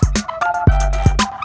kau mau kemana